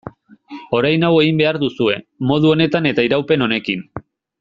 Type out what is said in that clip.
Orain hau egin behar duzue, modu honetan eta iraupen honekin.